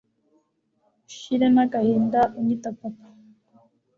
nshire n'agahinda unyita papa